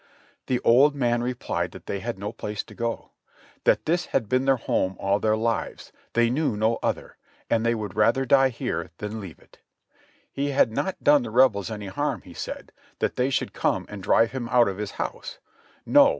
The old man replied that they had no place to go, that this had been their home all their lives, they knew no other, and they would rather die here than leave it; he had not done the Rebels any harm, he said, that they should come and drive him out of his house; no.